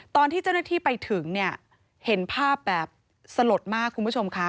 ตอนที่เจ้าหน้าที่ไปถึงเนี่ยเห็นภาพแบบสลดมากคุณผู้ชมค่ะ